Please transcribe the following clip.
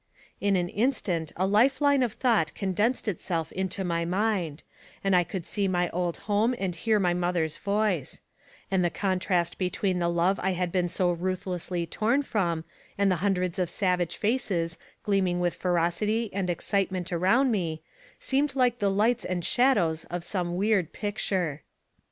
In an instant a life time of thought condensed itself into my mind, and I could see my old home and hear my mother's voice; and the contrast between the love I had been so ruthlessly torn from, and the hundreds of savage faces, gleaming with ferocity and excitement around me, seemed like the lights and shadows of some weird picture.